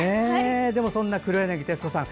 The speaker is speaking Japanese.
でもそんな黒柳徹子さん